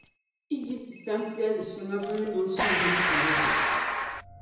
Ijipti tampiɛl’ shɛŋa bɛ ni niŋ shim niŋ pa di zuɣu.